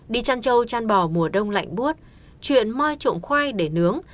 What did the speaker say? đi chăn trâu chăn bò mùa đông lạnh buốt chuyện moi trộm khoai để nướng